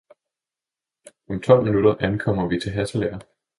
Om tolv minutter ankommer vi til Hasselager